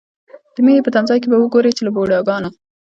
د مینې په تمځای کې به وګورئ چې له بوډاګانو.